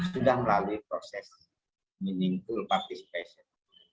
sudah melalui proses meaningful participation